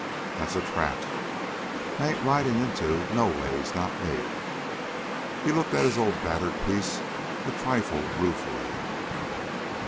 That's a trap I hain't ridin' inter noways, not me!" He looked at his own battered piece a trifle ruefully.